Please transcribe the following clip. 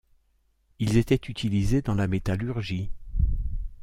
Ils étaient utilisés dans la métallurgie.